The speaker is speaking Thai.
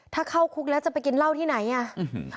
ถ้าเข้าคุกแล้วจะไปกินเหล้าที่ไหนอ่ะ